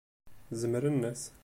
Zemren-as.